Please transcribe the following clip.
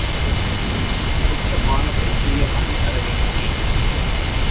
அடுத்து, பானத்திற்குரிய பணம் தரவேண்டுமே?